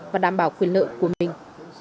và đảm bảo quyền lợi của mình